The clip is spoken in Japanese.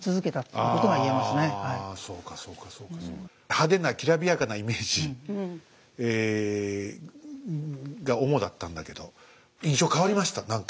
派手なきらびやかなイメージが主だったんだけど印象変わりました何か。